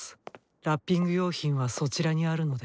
ラッピング用品はそちらにあるので。